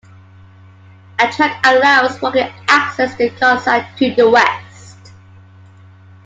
A track allows walking access to Carsaig to the west.